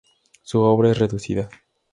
Su obra es reducida.